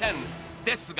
ですが